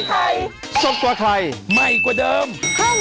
อ๋อกลับมาเจอกันใหม่พรุ่งนี้นะครับ